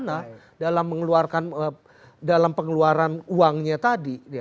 menjadi lebih bijaksana dalam mengeluarkan dalam pengeluaran uangnya tadi